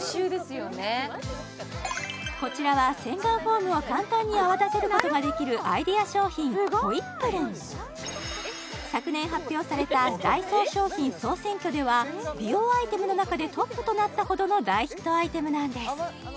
こちらは洗顔フォームを簡単に泡立てることができるアイデア商品ほいっぷるん昨年発表されたダイソー商品総選挙では美容アイテムの中でトップとなったほどの大ヒットアイテムなんです